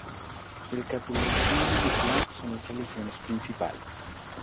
El catolicismo y el Islam son las religiones principales.